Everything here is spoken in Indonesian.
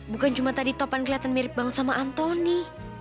bukan cuma tadi topan kelihatan mirip banget sama anthony